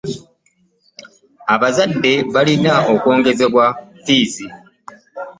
Abazadde balina okwongezebwa ffiizi.